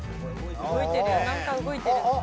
動いてるよなんか動いてる。